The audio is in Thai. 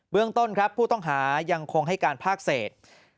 เรื่องต้นครับผู้ต้องหายังคงให้การภาคเศษ